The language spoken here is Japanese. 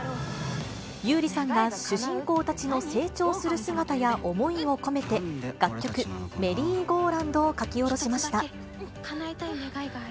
優里さんが主人公たちの成長する姿や思いを込めて、楽曲、メリーゴーランドを書き下ろしました。